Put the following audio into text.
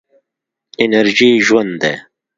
انرژي ژوند ده.